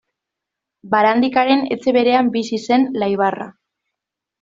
Barandikaren etxe berean bizi zen Laibarra.